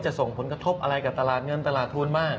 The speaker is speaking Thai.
ส่งผลกระทบอะไรกับตลาดเงินตลาดทุนมาก